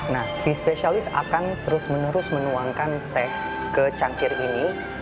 nah si spesialis akan terus menerus menuangkan teh ke cangkir ini